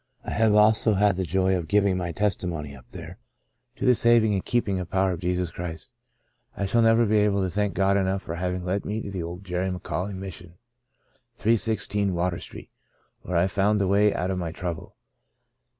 I have also had the joy of giving my testimony up there to the saving and keeping power of Jesus Christ. I shall never be able to thank God enough for having led me to the old Jerry McAuley Mission, 316 Water Street, where I found the way out of my trouble.